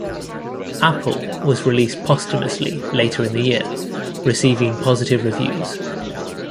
"Apple" was released posthumously later in the year, receiving positive reviews.